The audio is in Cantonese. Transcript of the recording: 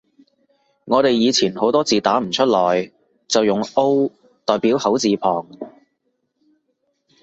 我哋以前好多字打唔出來，就用 O 代表口字旁